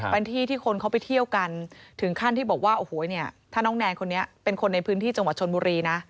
เป็นที่ที่คนเขาไปเที่ยวกันถึงขั้นที่บอกว่าโอ้โหเนี่ยถ้าน้องแนนคนนี้เป็นคนในพื้นที่จังหวัดชนบุรีนะ